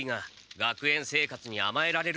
学園生活にあまえる！？